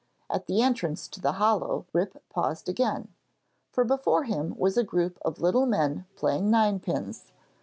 At the entrance to the hollow Rip paused again, for before him was a group of little men playing ninepins.